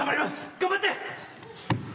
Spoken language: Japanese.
頑張って！